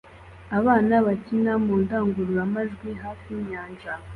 Abana bakina muri indangurura majwi hafi yinyanja